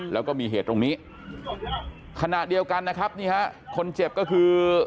แล้วก็มีเหตุตรงนี้ขณะเดียวกันนะครับนี่ฮะคนเจ็บก็คือ